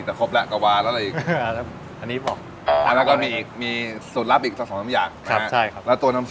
พริกไทยดำอย่างดีนะครับผม